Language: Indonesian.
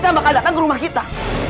sama kandatan ke rumah kita